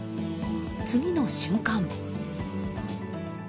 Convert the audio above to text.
次の瞬間。